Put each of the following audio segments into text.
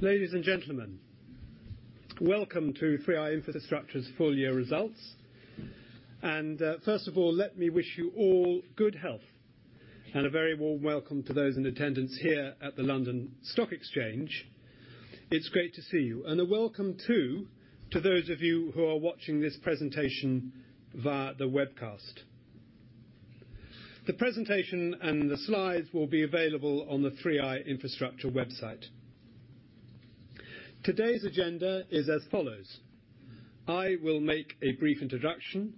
Ladies and gentlemen, welcome to 3i Infrastructure's full year results. First of all, let me wish you all good health, and a very warm welcome to those in attendance here at the London Stock Exchange. It's great to see you, and a welcome too to those of you who are watching this presentation via the webcast. The presentation and the slides will be available on the 3i Infrastructure website. Today's agenda is as follows. I will make a brief introduction,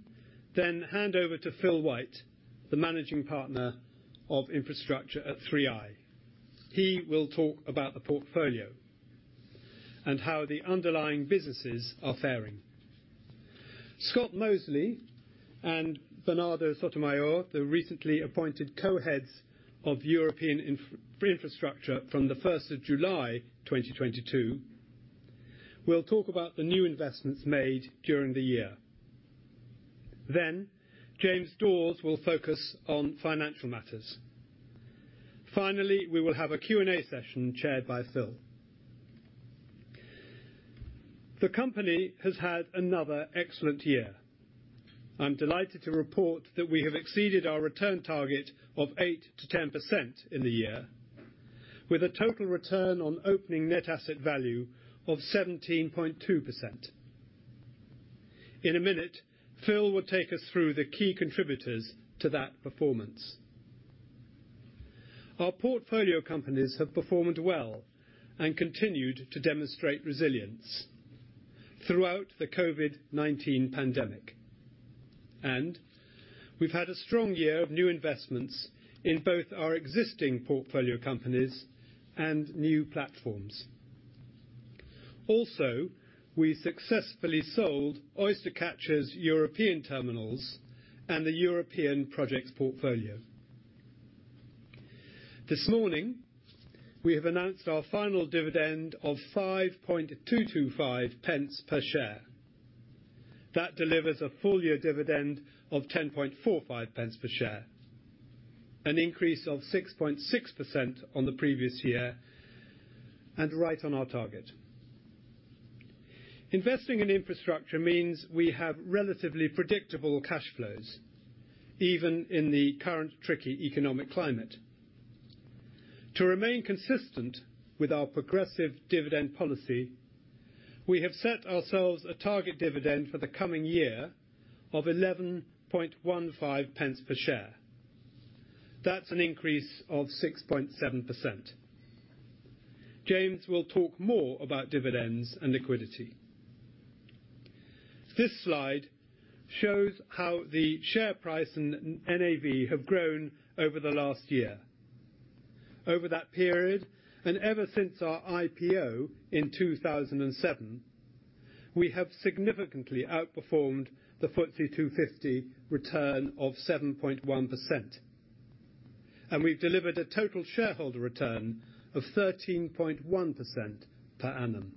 then hand over to Phil White, the Managing Partner of Infrastructure at 3i. He will talk about the portfolio and how the underlying businesses are faring. Scott Moseley and Bernardo Sottomayor, the recently appointed Co-Heads of European Infrastructure from the 1st of July 2022, will talk about the new investments made during the year. James Dawes will focus on financial matters. Finally, we will have a Q&A session chaired by Phil. The company has had another excellent year. I'm delighted to report that we have exceeded our return target of 8%-10% in the year, with a total return on opening net asset value of 17.2%. In a minute, Phil will take us through the key contributors to that performance. Our portfolio companies have performed well and continued to demonstrate resilience throughout the COVID-19 pandemic. We've had a strong year of new investments in both our existing portfolio companies and new platforms. We successfully sold Oystercatcher's European Terminals and the European Projects portfolio. This morning, we have announced our final dividend of 0.05225 per share. That delivers a full-year dividend of 0.1045 per share, an increase of 6.6% on the previous year, and right on our target. Investing in infrastructure means we have relatively predictable cash flows, even in the current tricky economic climate. To remain consistent with our progressive dividend policy, we have set ourselves a target dividend for the coming year of 0.1115 per share. That's an increase of 6.7%. James will talk more about dividends and liquidity. This slide shows how the share price and NAV have grown over the last year. Over that period, and ever since our IPO in 2007, we have significantly outperformed the FTSE 250 return of 7.1%. We've delivered a total shareholder return of 13.1% per annum.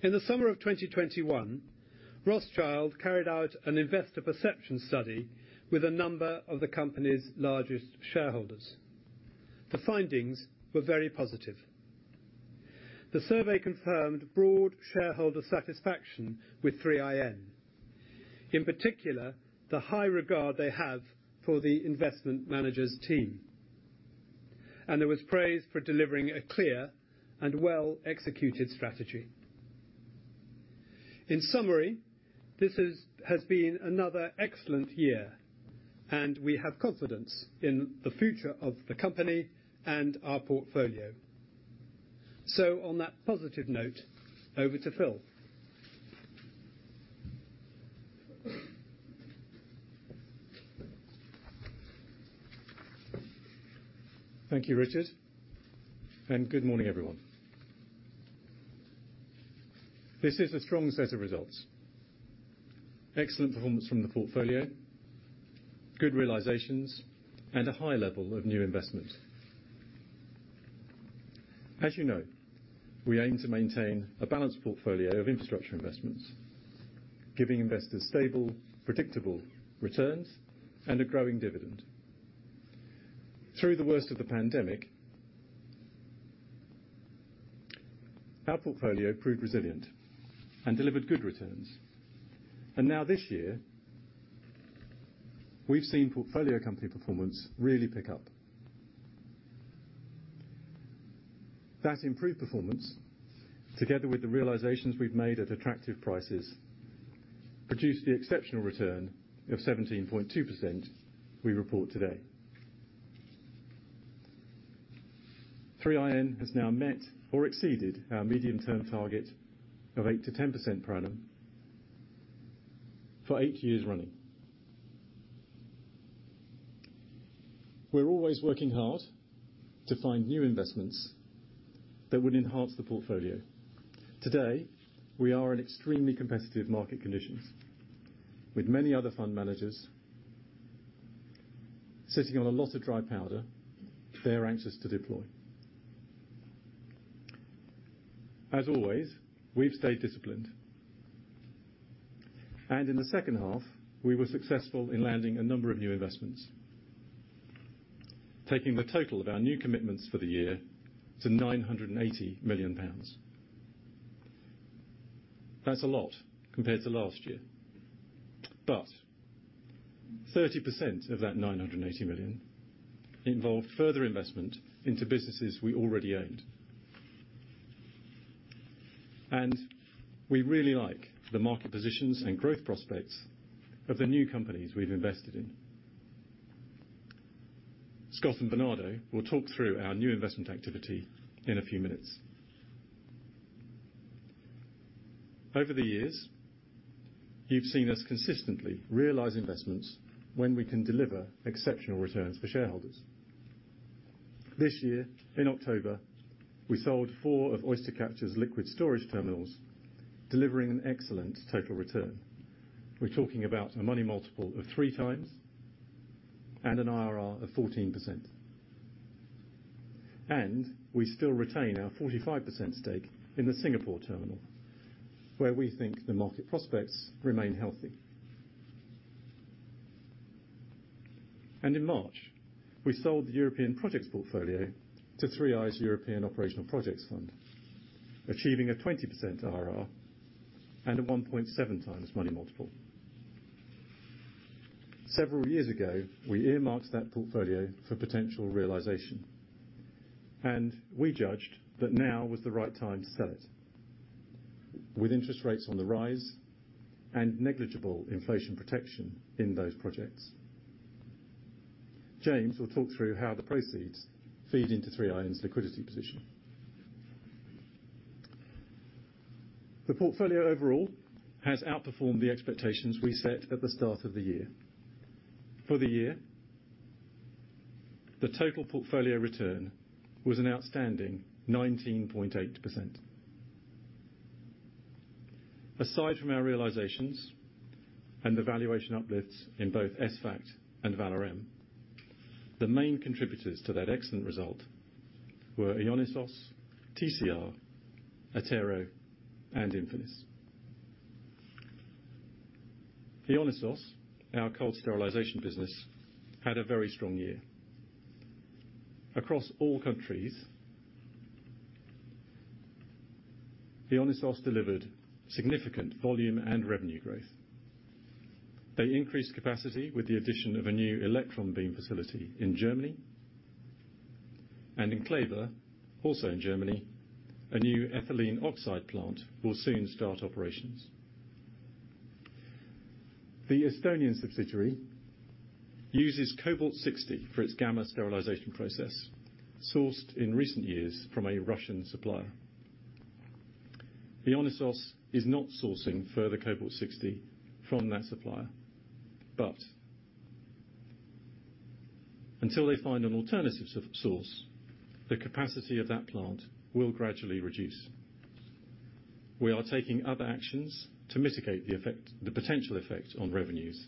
In the summer of 2021, Rothschild carried out an investor perception study with a number of the company's largest shareholders. The findings were very positive. The survey confirmed broad shareholder satisfaction with 3IN, in particular, the high regard they have for the investment manager's team. There was praise for delivering a clear and well-executed strategy. In summary, this is, has been another excellent year, and we have confidence in the future of the company and our portfolio. On that positive note, over to Phil. Thank you, Richard. Good morning, everyone. This is a strong set of results. Excellent performance from the portfolio, good realizations, and a high level of new investment. As you know, we aim to maintain a balanced portfolio of infrastructure investments, giving investors stable, predictable returns and a growing dividend. Through the worst of the pandemic, our portfolio proved resilient and delivered good returns. Now this year, we've seen portfolio company performance really pick up. That improved performance, together with the realizations we've made at attractive prices, produced the exceptional return of 17.2% we report today. 3IN has now met or exceeded our medium-term target of 8%-10% per annum for eight years running. We're always working hard to find new investments that would enhance the portfolio. Today, we are in extremely competitive market conditions with many other fund managers sitting on a lot of dry powder they are anxious to deploy. As always, we've stayed disciplined. In the second half, we were successful in landing a number of new investments. Taking the total of our new commitments for the year to 980 million pounds. That's a lot compared to last year. 30% of that 980 million involve further investment into businesses we already owned. We really like the market positions and growth prospects of the new companies we've invested in. Scott and Bernardo will talk through our new investment activity in a few minutes. Over the years, you've seen us consistently realize investments when we can deliver exceptional returns for shareholders. This year in October, we sold four of Oystercatcher's liquid storage terminals, delivering an excellent total return. We're talking about a money multiple of 3x and an IRR of 14%. We still retain our 45% stake in the Singapore terminal, where we think the market prospects remain healthy. In March, we sold the European Projects portfolio to 3i European Operational Projects Fund, achieving a 20% IRR and a 1.7x money multiple. Several years ago, we earmarked that portfolio for potential realization, and we judged that now was the right time to sell it with interest rates on the rise and negligible inflation protection in those projects. James will talk through how the proceeds feed into 3i's liquidity position. The portfolio overall has outperformed the expectations we set at the start of the year. For the year, the total portfolio return was an outstanding 19.8%. Aside from our realizations and the valuation uplifts in both ESVAGT and Valorem, the main contributors to that excellent result were Ionisos, TCR, Attero, and Infinis. Ionisos, our cold sterilization business, had a very strong year. Across all countries, Ionisos delivered significant volume and revenue growth. They increased capacity with the addition of a new electron beam facility in Germany. In Kleve, also in Germany, a new ethylene oxide plant will soon start operations. The Estonian subsidiary uses Cobalt-60 for its gamma sterilization process, sourced in recent years from a Russian supplier. Ionisos is not sourcing further Cobalt-60 from that supplier, but until they find an alternative source, the capacity of that plant will gradually reduce. We are taking other actions to mitigate the potential effect on revenues,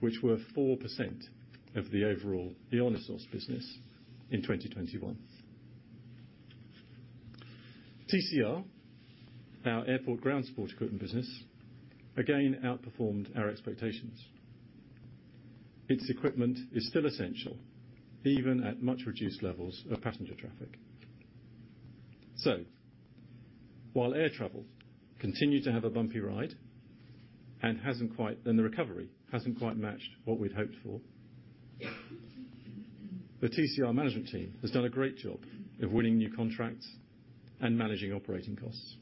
which were 4% of the overall Ionisos business in 2021. TCR, our airport ground support equipment business, again outperformed our expectations. Its equipment is still essential, even at much reduced levels of passenger traffic. While air travel continued to have a bumpy ride and the recovery hasn't quite matched what we'd hoped for, the TCR management team has done a great job of winning new contracts and managing operating costs.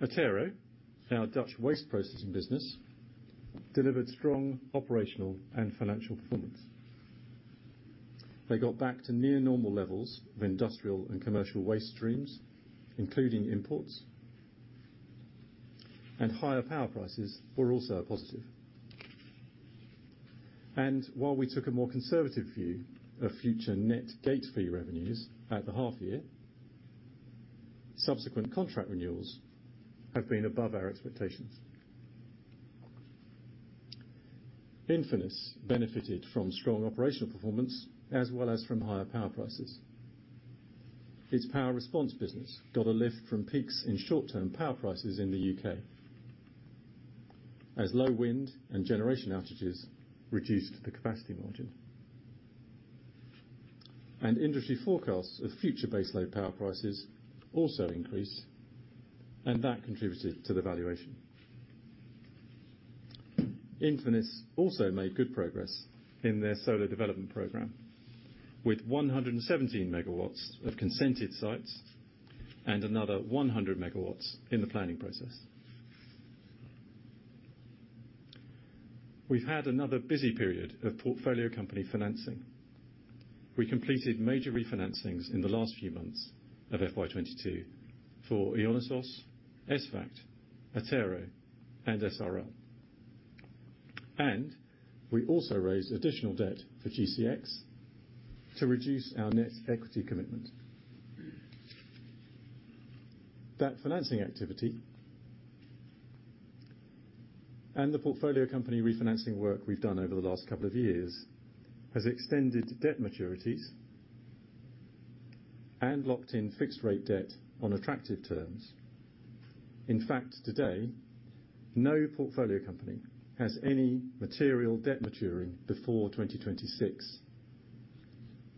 Attero, our Dutch waste processing business, delivered strong operational and financial performance. They got back to near normal levels of industrial and commercial waste streams, including imports, and higher power prices were also a positive. While we took a more conservative view of future net gate fee revenues at the half year, subsequent contract renewals have been above our expectations. Infinis benefited from strong operational performance as well as from higher power prices. Its power response business got a lift from peaks in short-term power prices in the U.K., as low wind and generation outages reduced the capacity margin. Industry forecasts of future baseload power prices also increased, and that contributed to the valuation. Infinis also made good progress in their solar development program, with 117 MW of consented sites and another 100 MW in the planning process. We've had another busy period of portfolio company financing. We completed major refinancings in the last few months of FY 2022 for Ionisos, ESVAGT, Attero, and SRL. We also raised additional debt for GCX to reduce our net equity commitment. That financing activity. The portfolio company refinancing work we've done over the last couple of years has extended debt maturities and locked in fixed rate debt on attractive terms. In fact, today, no portfolio company has any material debt maturing before 2026,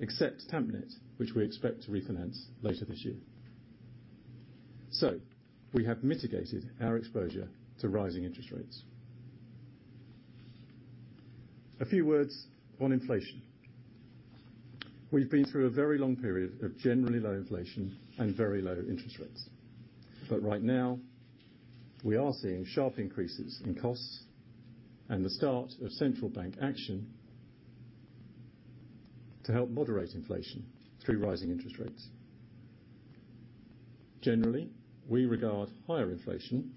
except Tampnet, which we expect to refinance later this year. We have mitigated our exposure to rising interest rates. A few words on inflation. We've been through a very long period of generally low inflation and very low interest rates. Right now we are seeing sharp increases in costs and the start of central bank action to help moderate inflation through rising interest rates. Generally, we regard higher inflation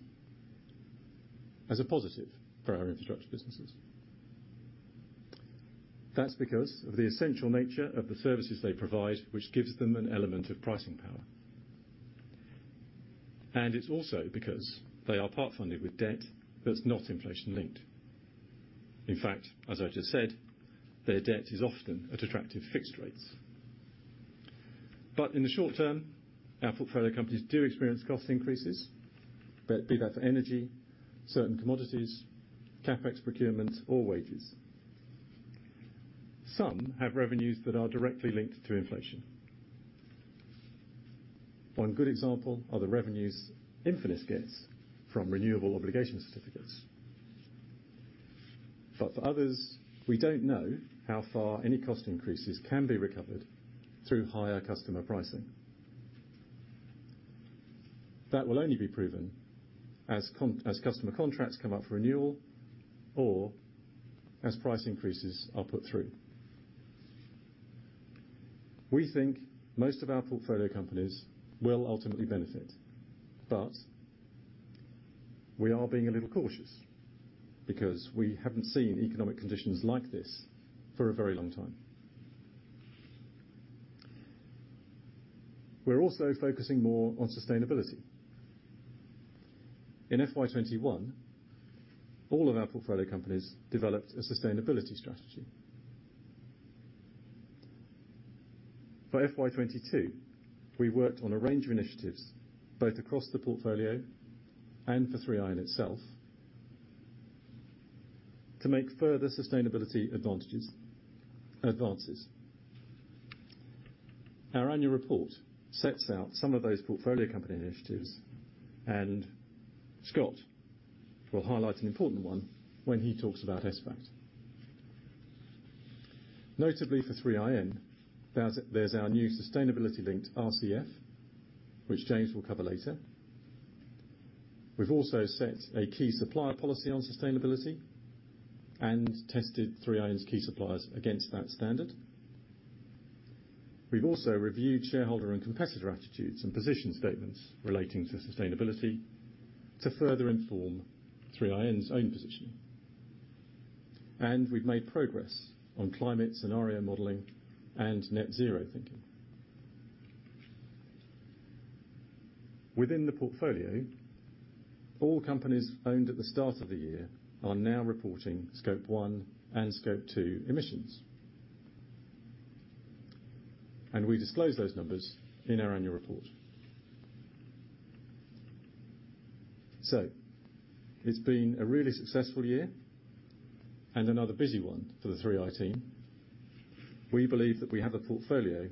as a positive for our infrastructure businesses. That's because of the essential nature of the services they provide, which gives them an element of pricing power. It's also because they are part-funded with debt that's not inflation-linked. In fact, as I just said, their debt is often at attractive fixed rates. But in the short term, our portfolio companies do experience cost increases, be that for energy, certain commodities, CapEx procurements, or wages. Some have revenues that are directly linked to inflation. One good example are the revenues Infinis gets from Renewables Obligation Certificates. But for others, we don't know how far any cost increases can be recovered through higher customer pricing. That will only be proven as customer contracts come up for renewal or as price increases are put through. We think most of our portfolio companies will ultimately benefit, but we are being a little cautious because we haven't seen economic conditions like this for a very long time. We're also focusing more on sustainability. In FY 2021, all of our portfolio companies developed a sustainability strategy. For FY 2022, we worked on a range of initiatives, both across the portfolio and for 3i itself, to make further sustainability advantages, advances. Our annual report sets out some of those portfolio company initiatives, and Scott will highlight an important one when he talks about ESVAGT. Notably for 3IN, there's our new sustainability-linked RCF, which James will cover later. We've also set a key supplier policy on sustainability and tested 3IN's key suppliers against that standard. We've also reviewed shareholder and competitor attitudes and position statements relating to sustainability to further inform 3IN's own positioning. We've made progress on climate scenario modeling and net zero thinking. Within the portfolio, all companies owned at the start of the year are now reporting Scope 1 and Scope 2 emissions. We disclose those numbers in our annual report. It's been a really successful year and another busy one for the 3i team. We believe that we have a portfolio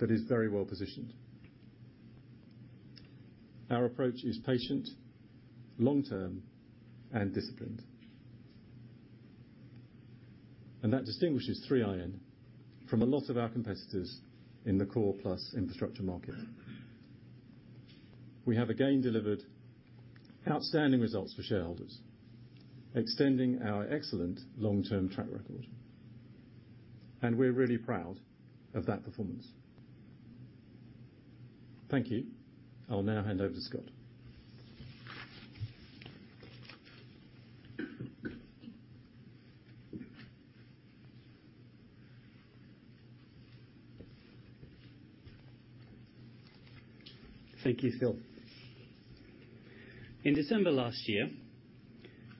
that is very well positioned. Our approach is patient, long-term, and disciplined. That distinguishes 3IN from a lot of our competitors in the core-plus infrastructure market. We have again delivered outstanding results for shareholders, extending our excellent long-term track record, and we're really proud of that performance. Thank you. I'll now hand over to Scott. Thank you, Phil. In December last year,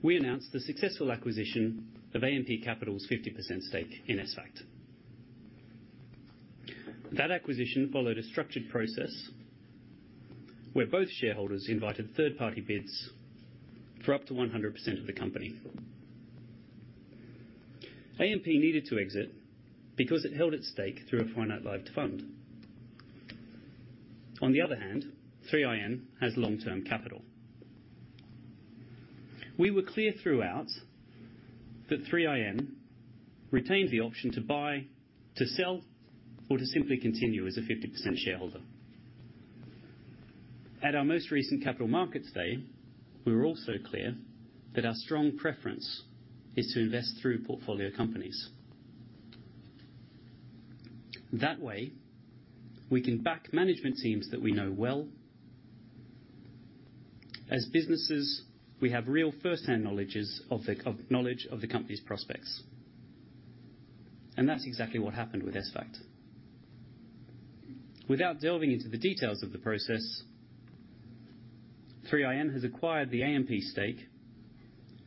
we announced the successful acquisition of AMP Capital's 50% stake in ESVAGT. That acquisition followed a structured process where both shareholders invited third-party bids for up to 100% of the company. AMP needed to exit because it held a stake through a finite-lived fund. On the other hand, 3IN has long-term capital. We were clear throughout that 3IN retained the option to buy, to sell, or to simply continue as a 50% shareholder. At our most recent Capital Markets Day, we were also clear that our strong preference is to invest through portfolio companies. That way, we can back management teams that we know well. As businesses, we have real firsthand knowledge of the company's prospects. That's exactly what happened with ESVAGT. Without delving into the details of the process, 3IN has acquired the AMP stake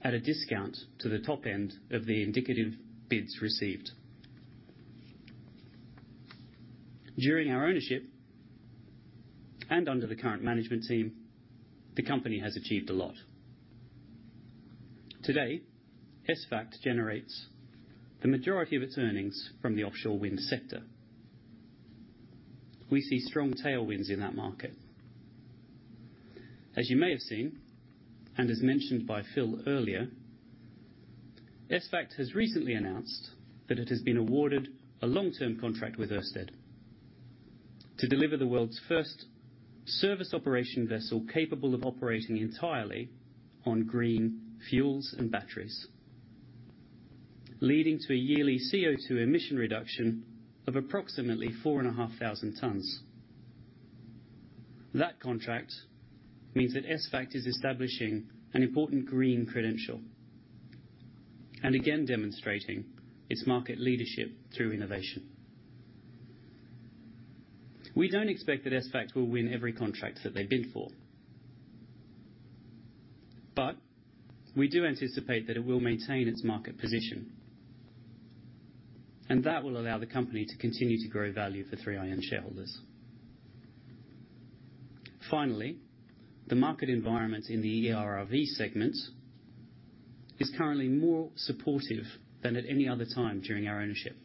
at a discount to the top end of the indicative bids received. During our ownership and under the current management team, the company has achieved a lot. Today, ESVAGT generates the majority of its earnings from the offshore wind sector. We see strong tailwinds in that market. As you may have seen, and as mentioned by Phil earlier, ESVAGT has recently announced that it has been awarded a long-term contract with Ørsted to deliver the world's first service operation vessel capable of operating entirely on green fuels and batteries, leading to a yearly CO₂ emission reduction of approximately 4,500 tons. That contract means that ESVAGT is establishing an important green credential and again demonstrating its market leadership through innovation. We don't expect that ESVAGT will win every contract that they bid for, but we do anticipate that it will maintain its market position, and that will allow the company to continue to grow value for 3IN shareholders. Finally, the market environment in the ERRV segment is currently more supportive than at any other time during our ownership.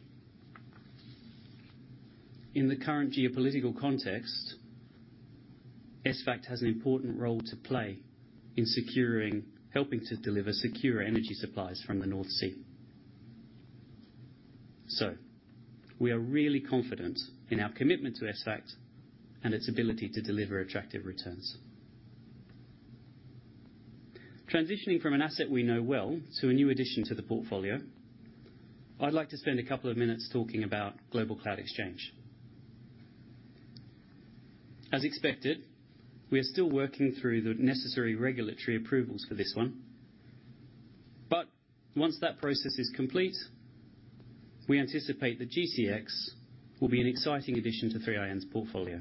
In the current geopolitical context, ESVAGT has an important role to play in securing, helping to deliver secure energy supplies from the North Sea. We are really confident in our commitment to ESVAGT and its ability to deliver attractive returns. Transitioning from an asset we know well to a new addition to the portfolio, I'd like to spend a couple of minutes talking about Global Cloud Xchange. As expected, we are still working through the necessary regulatory approvals for this one. Once that process is complete, we anticipate that GCX will be an exciting addition to 3IN's portfolio.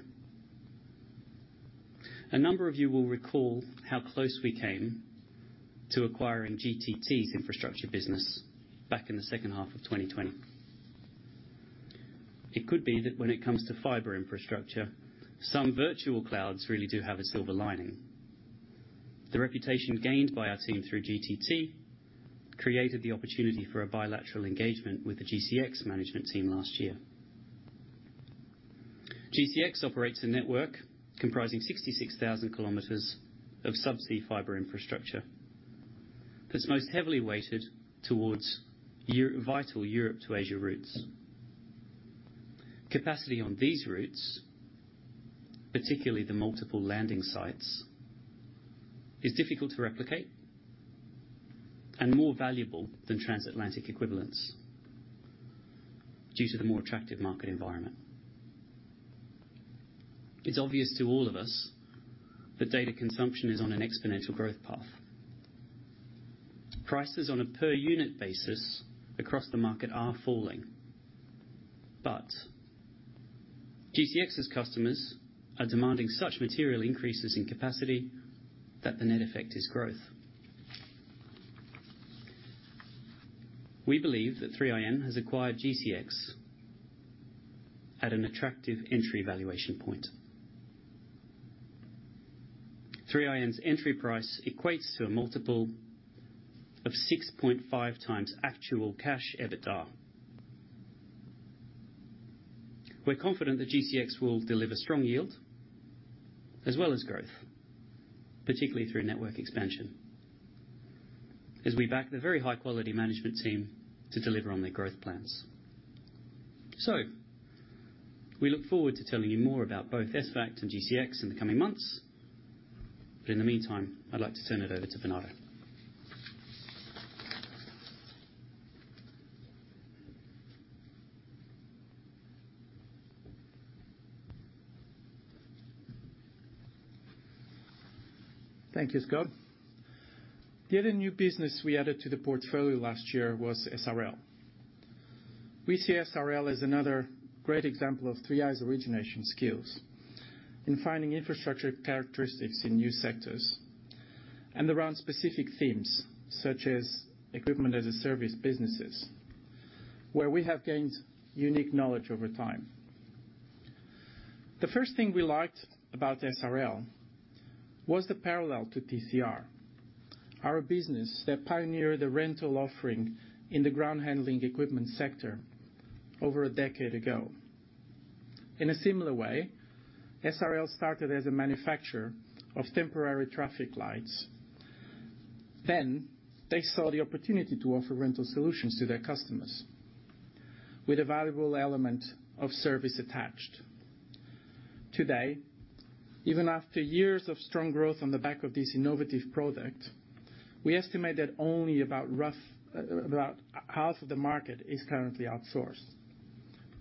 A number of you will recall how close we came to acquiring GTT's infrastructure business back in the second half of 2020. It could be that when it comes to fiber infrastructure, some virtual clouds really do have a silver lining. The reputation gained by our team through GTT created the opportunity for a bilateral engagement with the GCX management team last year. GCX operates a network comprising 66,000 km of subsea fiber infrastructure that's most heavily weighted towards Europe-Asia Europe to Asia routes. Capacity on these routes, particularly the multiple landing sites, is difficult to replicate and more valuable than transatlantic equivalents due to the more attractive market environment. It's obvious to all of us that data consumption is on an exponential growth path. Prices on a per unit basis across the market are falling, but GCX's customers are demanding such material increases in capacity that the net effect is growth. We believe that 3IN has acquired GCX at an attractive entry valuation point. 3IN's entry price equates to a multiple of 6.5x actual cash EBITDA. We're confident that GCX will deliver strong yield as well as growth, particularly through network expansion, as we back the very high-quality management team to deliver on their growth plans. We look forward to telling you more about both ESVAGT and GCX in the coming months. In the meantime, I'd like to turn it over to Bernardo. Thank you, Scott. The other new business we added to the portfolio last year was SRL. We see SRL as another great example of 3i's origination skills in finding infrastructure characteristics in new sectors and around specific themes, such as equipment as a service businesses, where we have gained unique knowledge over time. The first thing we liked about SRL was the parallel to TCR, our business that pioneered the rental offering in the ground handling equipment sector over a decade ago. In a similar way, SRL started as a manufacturer of temporary traffic lights. They saw the opportunity to offer rental solutions to their customers with a valuable element of service attached. Today, even after years of strong growth on the back of this innovative product, we estimate that only about half of the market is currently outsourced.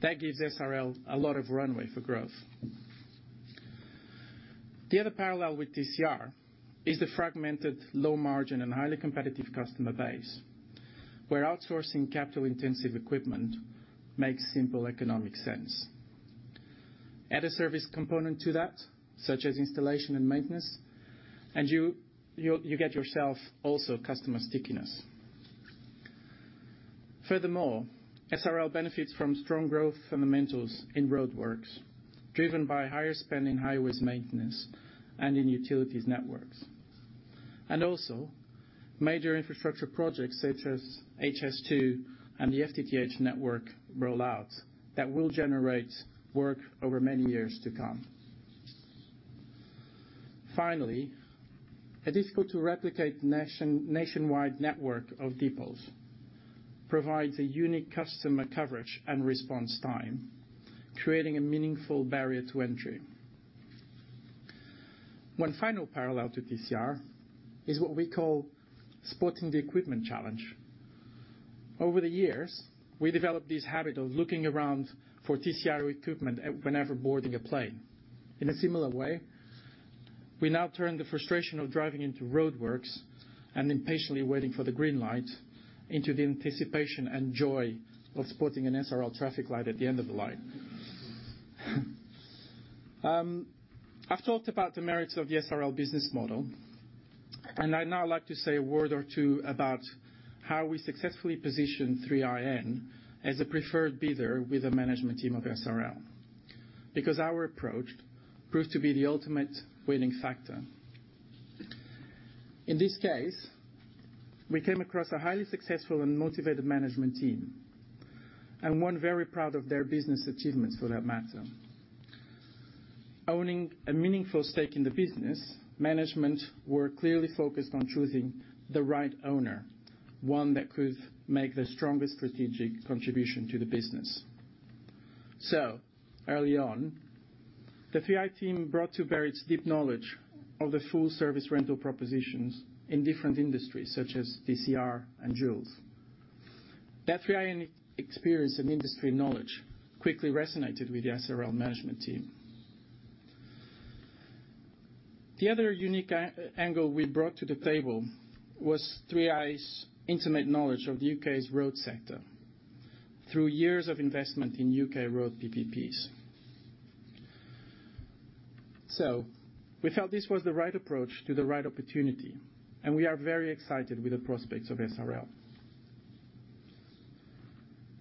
That gives SRL a lot of runway for growth. The other parallel with TCR is the fragmented low margin and highly competitive customer base, where outsourcing capital-intensive equipment makes simple economic sense. Add a service component to that, such as installation and maintenance, and you get yourself also customer stickiness. Furthermore, SRL benefits from strong growth fundamentals in roadworks, driven by higher spending, highways maintenance and in utilities networks. Also major infrastructure projects such as HS2 and the FTTH network rollout that will generate work over many years to come. Finally, a difficult to replicate nationwide network of depots provides a unique customer coverage and response time, creating a meaningful barrier to entry. One final parallel to TCR is what we call spotting the equipment challenge. Over the years, we developed this habit of looking around for TCR equipment at, whenever boarding a plane. In a similar way, we now turn the frustration of driving into roadworks and impatiently waiting for the green light into the anticipation and joy of spotting an SRL traffic light at the end of the line. I've talked about the merits of the SRL business model, and I'd now like to say a word or two about how we successfully position 3IN as a preferred bidder with the management team of SRL, because our approach proved to be the ultimate winning factor. In this case, we came across a highly successful and motivated management team, and one very proud of their business achievements, for that matter. Owning a meaningful stake in the business, management were clearly focused on choosing the right owner, one that could make the strongest strategic contribution to the business. Early on, the 3i team brought to bear its deep knowledge of the full-service rental propositions in different industries such as TCR and Joulz. That 3i experience and industry knowledge quickly resonated with the SRL management team. The other unique angle we brought to the table was 3i's intimate knowledge of the U.K.'s road sector through years of investment in U.K. road PPPs. We felt this was the right approach to the right opportunity, and we are very excited with the prospects of SRL.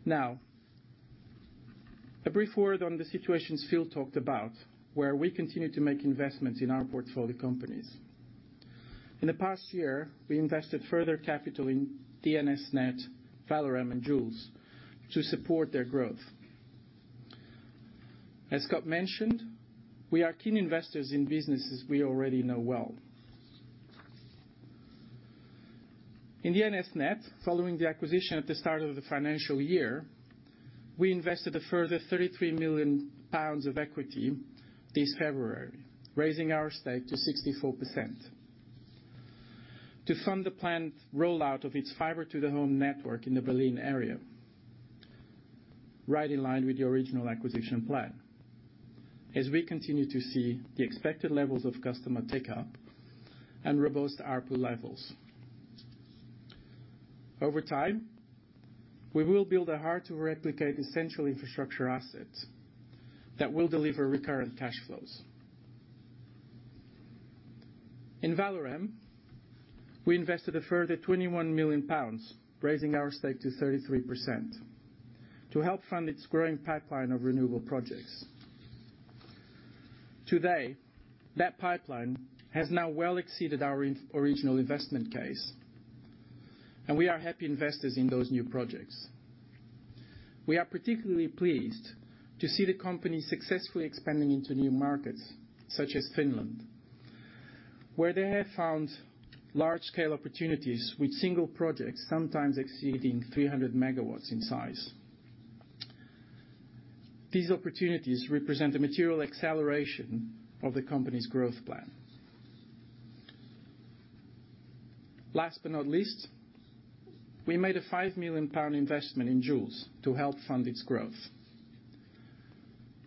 Now, a brief word on the situations Phil talked about, where we continue to make investments in our portfolio companies. In the past year, we invested further capital in DNS:NET, Valorem, and Joulz to support their growth. As Scott mentioned, we are keen investors in businesses we already know well. In DNS:NET, following the acquisition at the start of the financial year, we invested a further 33 million pounds of equity this February, raising our stake to 64% to fund the planned rollout of its fiber to the home network in the Berlin area, right in line with the original acquisition plan. As we continue to see the expected levels of customer take-up and robust ARPU levels, over time we will build a hard-to-replicate essential infrastructure asset that will deliver recurrent cash flows. In Valorem, we invested a further 21 million pounds, raising our stake to 33% to help fund its growing pipeline of renewable projects. Today, that pipeline has now well exceeded our original investment case, and we are happy investors in those new projects. We are particularly pleased to see the company successfully expanding into new markets such as Finland, where they have found large-scale opportunities with single projects sometimes exceeding 300 MW in size. These opportunities represent a material acceleration of the company's growth plan. Last but not least, we made a 5 million pound investment in Joulz to help fund its growth.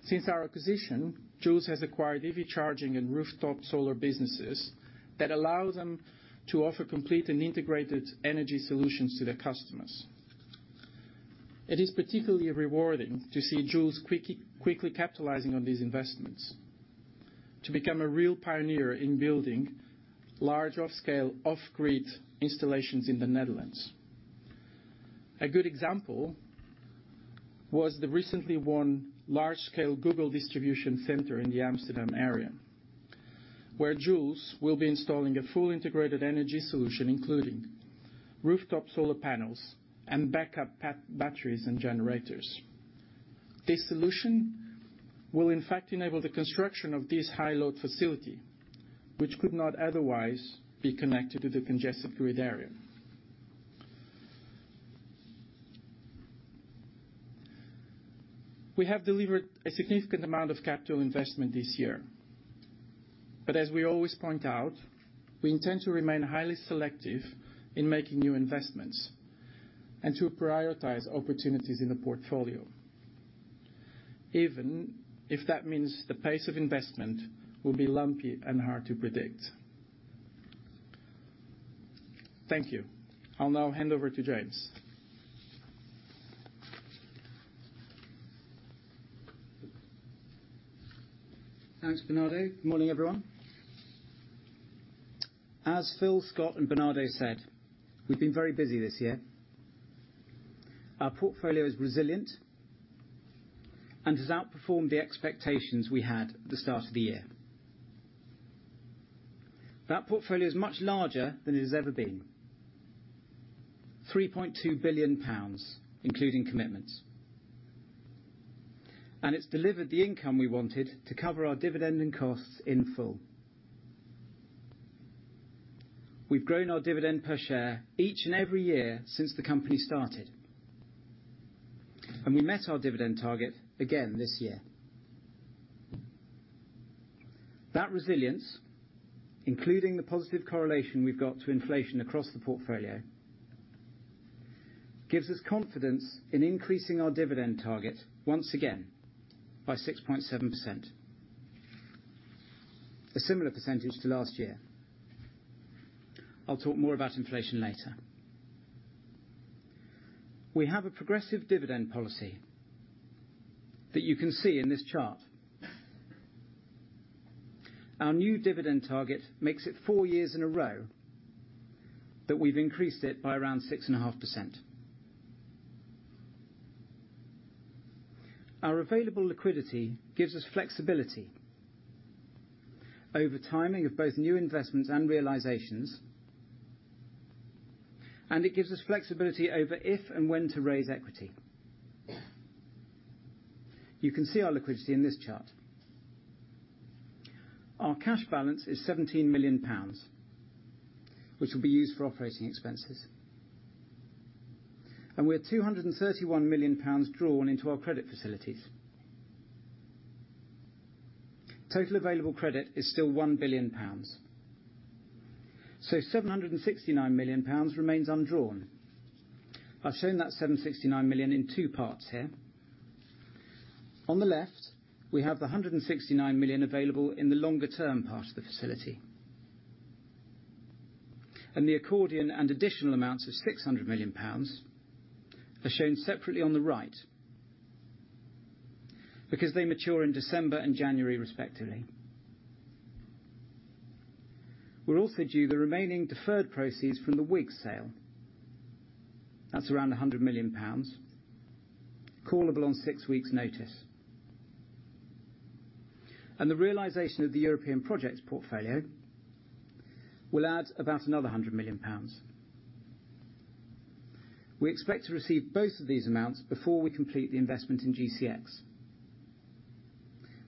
Since our acquisition, Joulz has acquired EV charging and rooftop solar businesses that allow them to offer complete and integrated energy solutions to their customers. It is particularly rewarding to see Joulz quickly capitalizing on these investments to become a real pioneer in building large-scale off-grid installations in the Netherlands. A good example was the recently won large-scale Google distribution center in the Amsterdam area, where Joulz will be installing a fully integrated energy solution, including rooftop solar panels and backup batteries and generators. This solution will in fact enable the construction of this high load facility, which could not otherwise be connected to the congested grid area. We have delivered a significant amount of capital investment this year, but as we always point out, we intend to remain highly selective in making new investments and to prioritize opportunities in the portfolio. Even if that means the pace of investment will be lumpy and hard to predict. Thank you. I'll now hand over to James. Thanks, Bernardo. Good morning, everyone. As Phil, Scott, and Bernardo said, we've been very busy this year. Our portfolio is resilient, and has outperformed the expectations we had at the start of the year. That portfolio is much larger than it has ever been, GBP 3.2 billion, including commitments. It's delivered the income we wanted to cover our dividend and costs in full. We've grown our dividend per share each and every year since the company started, and we met our dividend target again this year. That resilience, including the positive correlation we've got to inflation across the portfolio, gives us confidence in increasing our dividend target once again by 6.7%. A similar percentage to last year. I'll talk more about inflation later. We have a progressive dividend policy that you can see in this chart. Our new dividend target makes it four years in a row that we've increased it by around 6.5%. Our available liquidity gives us flexibility over timing of both new investments and realizations, and it gives us flexibility over if and when to raise equity. You can see our liquidity in this chart. Our cash balance is 17 million pounds, which will be used for operating expenses. We have 231 million pounds drawn into our credit facilities. Total available credit is still 1 billion pounds, so 769 million pounds remains undrawn. I've shown that 769 million in two parts here. On the left, we have 169 million available in the longer term part of the facility. The accordion and additional amounts of 600 million pounds are shown separately on the right because they mature in December and January, respectively. We're also due the remaining deferred proceeds from the WIG sale. That's around 100 million pounds, callable on six weeks' notice. The realization of the European Projects portfolio will add about another 100 million pounds. We expect to receive both of these amounts before we complete the investment in GCX,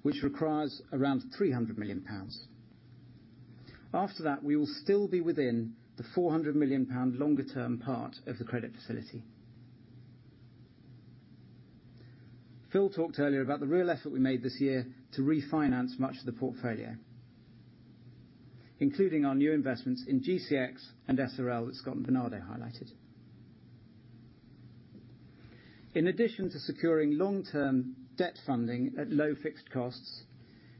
which requires around 300 million pounds. After that, we will still be within the 400 million pound longer-term part of the credit facility. Phil talked earlier about the real effort we made this year to refinance much of the portfolio, including our new investments in GCX and SRL that Scott and Bernardo highlighted. In addition to securing long-term debt funding at low fixed costs,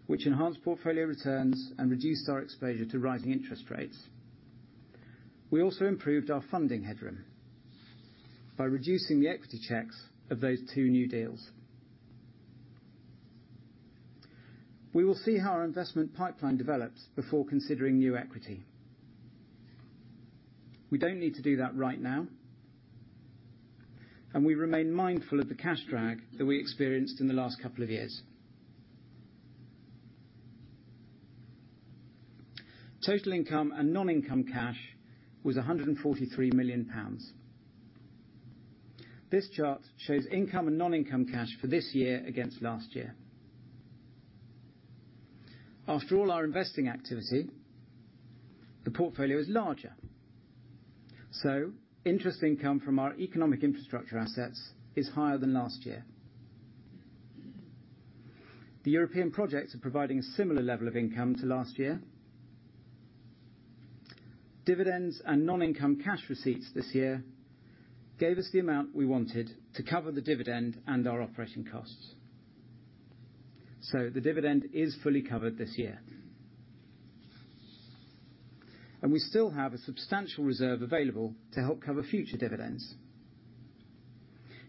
which enhanced portfolio returns and reduced our exposure to rising interest rates, we also improved our funding headroom by reducing the equity checks of those two new deals. We will see how our investment pipeline develops before considering new equity. We don't need to do that right now, and we remain mindful of the cash drag that we experienced in the last couple of years. Total income and non-income cash was 143 million pounds. This chart shows income and non-income cash for this year against last year. After all our investing activity, the portfolio is larger, so interest income from our economic infrastructure assets is higher than last year. The European Projects are providing a similar level of income to last year. Dividends and non-income cash receipts this year gave us the amount we wanted to cover the dividend and our operating costs. The dividend is fully covered this year. We still have a substantial reserve available to help cover future dividends.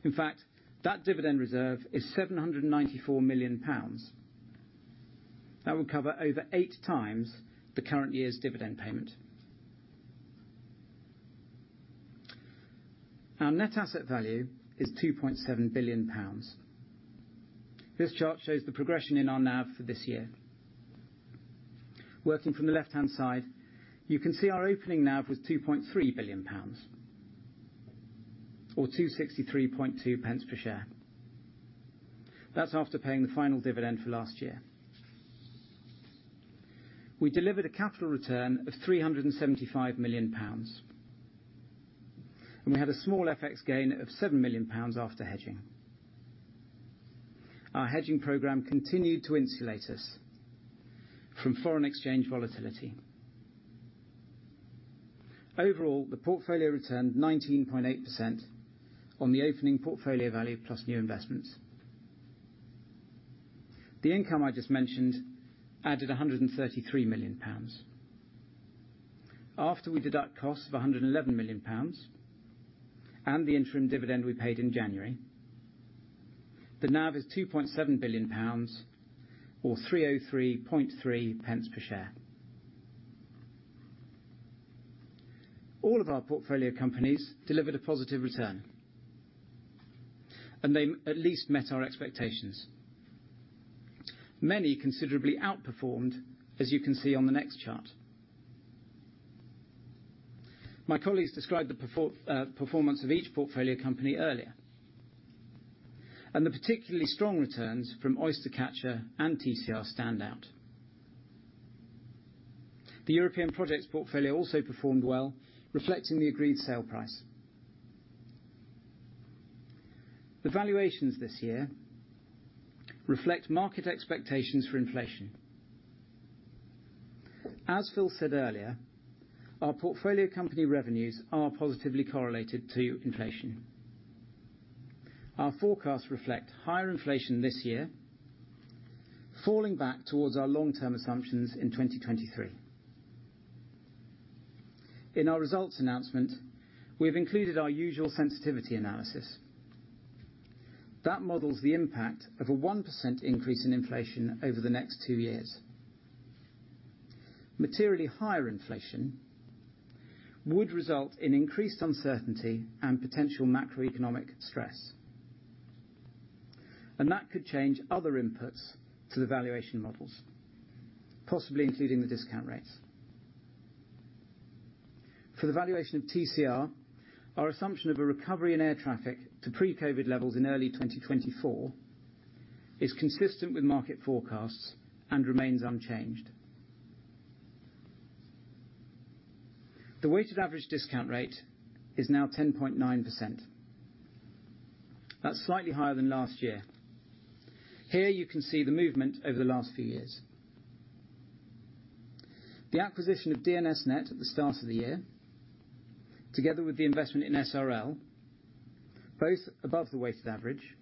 In fact, that dividend reserve is 794 million pounds. That will cover over 8x the current year's dividend payment. Our net asset value is 2.7 billion pounds. This chart shows the progression in our NAV for this year. Working from the left-hand side, you can see our opening NAV was 2.3 billion pounds or 2.632 pounds per share. That's after paying the final dividend for last year. We delivered a capital return of 375 million pounds, and we had a small FX gain of 7 million pounds after hedging. Our hedging program continued to insulate us from foreign exchange volatility. Overall, the portfolio returned 19.8% on the opening portfolio value plus new investments. The income I just mentioned added 133 million pounds. After we deduct costs of 111 million pounds and the interim dividend we paid in January, the NAV is 2.7 billion pounds or 3.03 per share. All of our portfolio companies delivered a positive return. They at least met our expectations. Many considerably outperformed, as you can see on the next chart. My colleagues described the performance of each portfolio company earlier. The particularly strong returns from Oystercatcher and TCR stand out. The European Projects portfolio also performed well, reflecting the agreed sale price. The valuations this year reflect market expectations for inflation. As Phil said earlier, our portfolio company revenues are positively correlated to inflation. Our forecasts reflect higher inflation this year, falling back towards our long-term assumptions in 2023. In our results announcement, we have included our usual sensitivity analysis. That models the impact of a 1% increase in inflation over the next two years. Materially higher inflation would result in increased uncertainty and potential macroeconomic stress. That could change other inputs to the valuation models, possibly including the discount rates. For the valuation of TCR, our assumption of a recovery in air traffic to pre-COVID levels in early 2024 is consistent with market forecasts and remains unchanged. The weighted average discount rate is now 10.9%. That's slightly higher than last year. Here you can see the movement over the last few years. The acquisition of DNS:NET at the start of the year, together with the investment in SRL, both above the weighted average,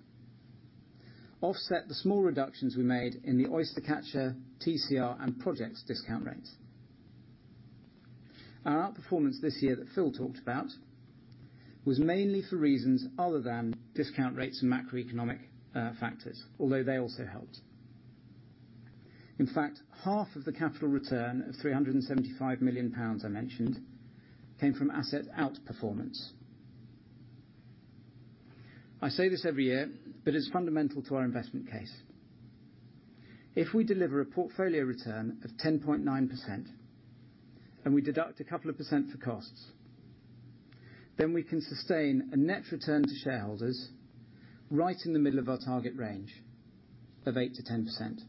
offset the small reductions we made in the Oystercatcher, TCR, and projects discount rates. Our outperformance this year that Phil talked about was mainly for reasons other than discount rates and macroeconomic factors, although they also helped. In fact, half of the capital return of 375 million pounds I mentioned came from asset outperformance. I say this every year, but it's fundamental to our investment case. If we deliver a portfolio return of 10.9% and we deduct a couple of percent for costs, then we can sustain a net return to shareholders right in the middle of our target range of 8%-10%.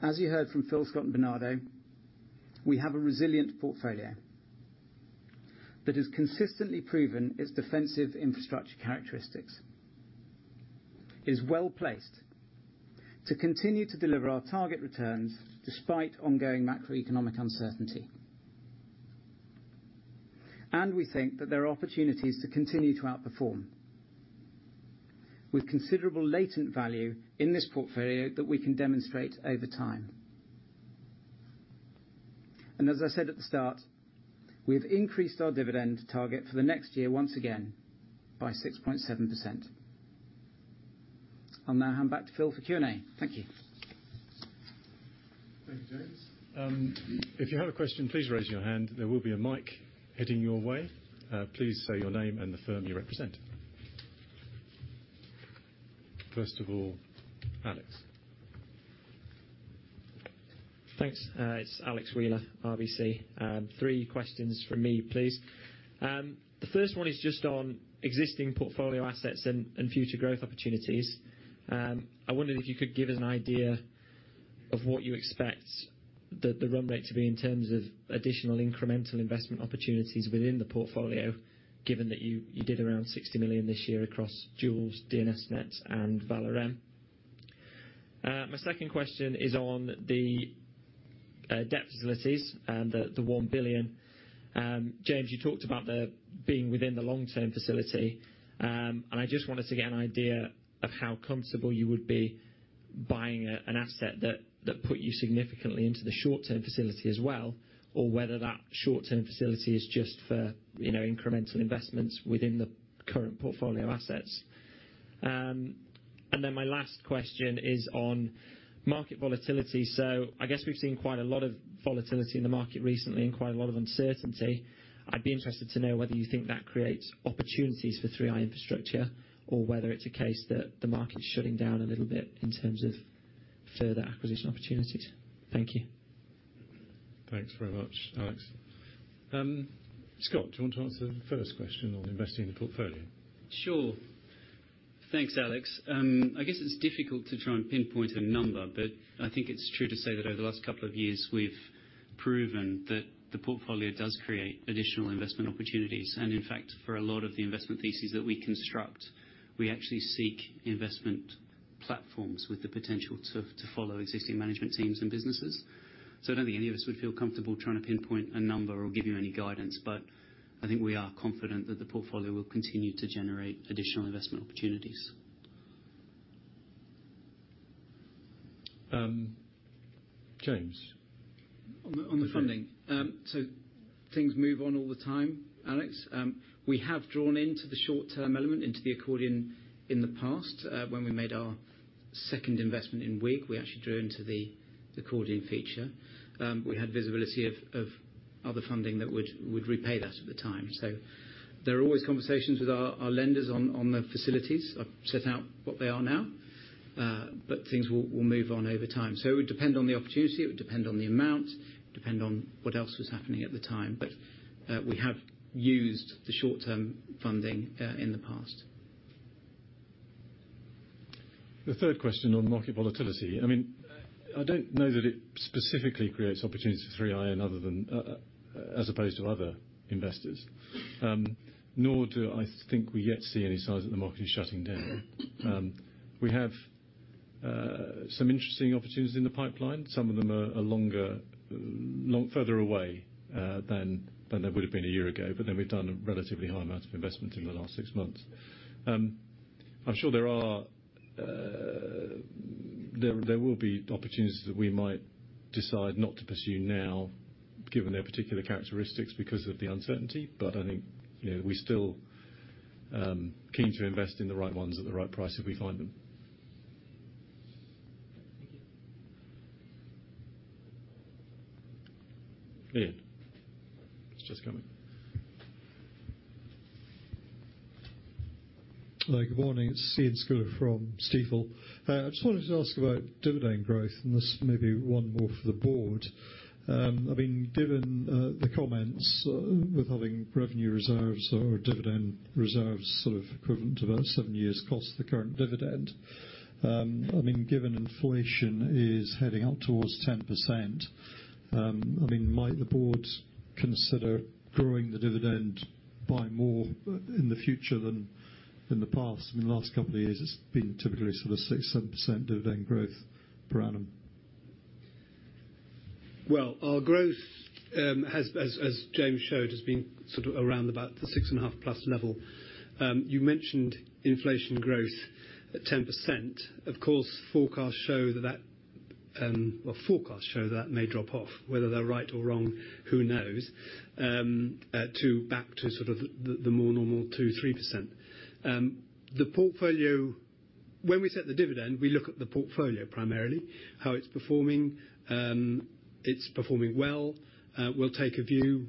As you heard from Phil, Scott, and Bernardo, we have a resilient portfolio that has consistently proven its defensive infrastructure characteristics. It is well-placed to continue to deliver our target returns despite ongoing macroeconomic uncertainty. We think that there are opportunities to continue to outperform, with considerable latent value in this portfolio that we can demonstrate over time. As I said at the start, we've increased our dividend target for the next year once again by 6.7%. I'll now hand back to Phil for Q&A. Thank you. Thank you, James. If you have a question, please raise your hand. There will be a mic heading your way. Please say your name and the firm you represent. First of all, Alex. Thanks. It's Alex Wheeler, RBC. Three questions from me, please. The first one is just on existing portfolio assets and future growth opportunities. I wondered if you could give us an idea of what you expect the run rate to be in terms of additional incremental investment opportunities within the portfolio, given that you did around 60 million this year across Joulz, DNS:NET, and Valorem. My second question is on the debt facilities and the 1 billion. James, you talked about being within the long-term facility. I just wanted to get an idea of how comfortable you would be buying an asset that put you significantly into the short-term facility as well, or whether that short-term facility is just for, you know, incremental investments within the current portfolio assets. My last question is on market volatility. I guess we've seen quite a lot of volatility in the market recently and quite a lot of uncertainty. I'd be interested to know whether you think that creates opportunities for 3i Infrastructure or whether it's a case that the market's shutting down a little bit in terms of further acquisition opportunities? Thank you. Thanks very much, Alex. Scott, do you want to answer the first question on investing in the portfolio? Sure. Thanks, Alex. I guess it's difficult to try and pinpoint a number, but I think it's true to say that over the last couple of years, we've proven that the portfolio does create additional investment opportunities. In fact, for a lot of the investment theses that we construct, we actually seek investment. platforms with the potential to follow existing management teams and businesses. I don't think any of us would feel comfortable trying to pinpoint a number or give you any guidance, but I think we are confident that the portfolio will continue to generate additional investment opportunities. James. On the funding. Things move on all the time, Alex. We have drawn into the short-term element, into the accordion in the past. When we made our second investment in WIG, we actually drew into the accordion feature. We had visibility of other funding that would repay that at the time. There are always conversations with our lenders on the facilities. I've set out what they are now, but things will move on over time. It would depend on the opportunity, it would depend on the amount, depend on what else was happening at the time. We have used the short-term funding in the past. The third question on market volatility. I mean, I don't know that it specifically creates opportunities for 3i other than as opposed to other investors. Nor do I think we yet see any signs that the market is shutting down. We have some interesting opportunities in the pipeline. Some of them are further away than they would've been a year ago, but then we've done a relatively high amount of investment in the last six months. I'm sure there will be opportunities that we might decide not to pursue now, given their particular characteristics because of the uncertainty, but I think, you know, we're still keen to invest in the right ones at the right price if we find them. Thank you. Iain. He's just coming. Hello. Good morning. It's Iain Scouller from Stifel. I just wanted to ask about dividend growth, and this may be one more for the board. I mean, given the comments with having revenue reserves or dividend reserves sort of equivalent to about seven years' cost of the current dividend, I mean, given inflation is heading up towards 10%, I mean, might the board consider growing the dividend by more in the future than the past? In the last couple of years, it's been typically sort of 6%-7% dividend growth per annum. Well, our growth has, as James showed, been sort of around about the 6.5+ level. You mentioned inflation growth at 10%. Of course, forecasts show that. Well, forecasts show that may drop off. Whether they're right or wrong, who knows? Back to sort of the more normal 2%-3%. The portfolio. When we set the dividend, we look at the portfolio primarily. How it's performing. It's performing well. We'll take a view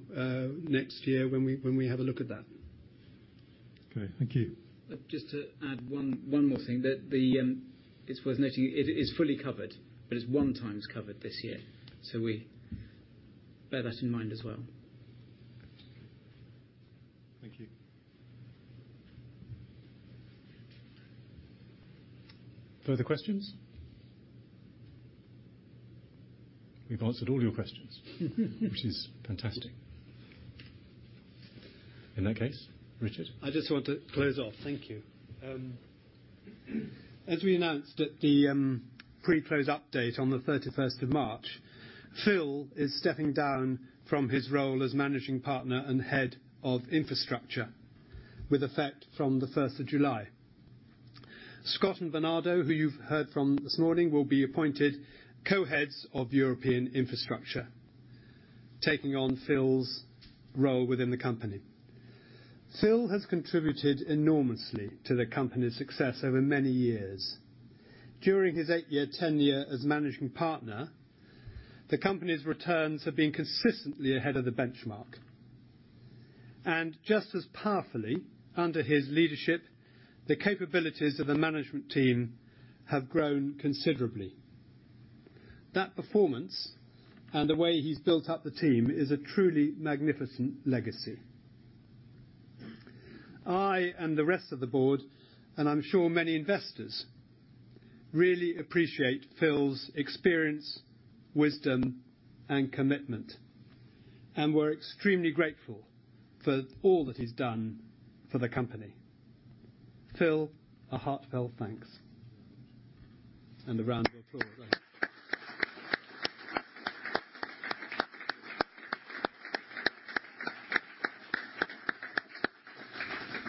next year when we have a look at that. Okay. Thank you. Just to add one more thing. It's worth noting, it is fully covered, but it's one times covered this year. We bear that in mind as well. Thank you. Further questions? We've answered all your questions, which is fantastic. In that case, Richard? I just want to close off. Thank you. As we announced at the pre-close update on the 31st of March, Phil is stepping down from his role as managing partner and head of infrastructure, with effect from the 1st of July. Scott and Bernardo, who you've heard from this morning, will be appointed co-heads of European infrastructure, taking on Phil's role within the company. Phil has contributed enormously to the company's success over many years. During his eight-year tenure as managing partner, the company's returns have been consistently ahead of the benchmark. Just as powerfully, under his leadership, the capabilities of the management team have grown considerably. That performance and the way he's built up the team is a truly magnificent legacy. I and the rest of the board, and I'm sure many investors, really appreciate Phil's experience, wisdom, and commitment, and we're extremely grateful for all that he's done for the company. Phil, a heartfelt thanks. A round of applause. Thank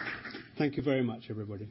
you. Thank you very much, everybody.